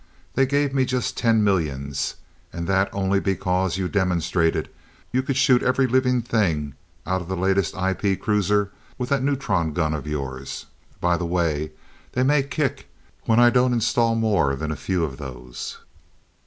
They gave me just ten millions, and that only because you demonstrated you could shoot every living thing out of the latest IP cruiser with that neutron gun of yours. By the way, they may kick when I don't install more than a few of those."